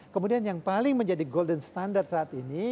kemudian yang paling menjadi standar kekayaan saat ini